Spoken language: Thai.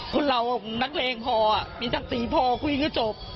คนเรานักเลงพอมีศักดิ์ศรีพอคุยก็จบ